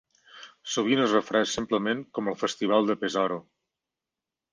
Sovint es refereix simplement com el Festival de Pesaro.